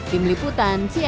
tim liputan cnn indonesia